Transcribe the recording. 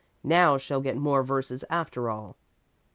"Now she'll get more verses after all."